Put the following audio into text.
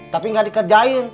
tapi nggak dikerjain